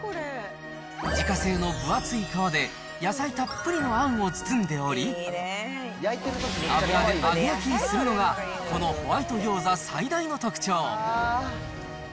自家製の分厚い皮で、野菜たっぷりのあんを包んでおり、油で揚げ焼きにするのが、このホワイト餃子最大の特徴。